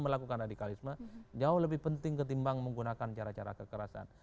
melakukan radikalisme jauh lebih penting ketimbang menggunakan cara cara kekerasan